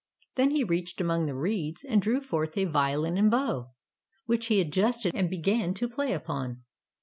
Then he reached among the reeds and drew forth a violin and bow, which he adjusted and began to play upon.